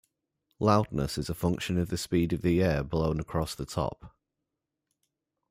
Loudness is a function of the speed of the air blown across the top.